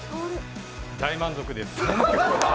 大満足です。